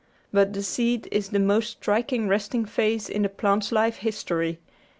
But the seed is the most striking resting phase in the plant's life history.